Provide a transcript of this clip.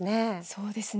そうですね。